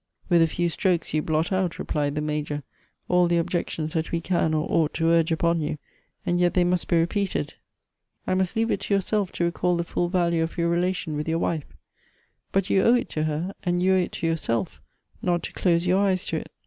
" With a few strokes you blot out," replied the Major, " all the objections that we can or ought to urge upon you, and yet they must be repeated. I must leave it to your 268 Goethe's self to recall the full value of your relation with your wife ; but you owe it to her, and you owe it to yourself, not to close your eyes to it.